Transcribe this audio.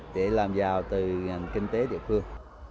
để làm giàu từ ngành kinh tế địa phương